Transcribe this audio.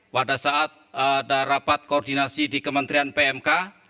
pada saat ada rapat koordinasi di kementerian pmk